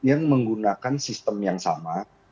yang menggunakan sistem yang sama